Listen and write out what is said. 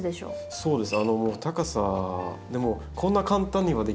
そうですね。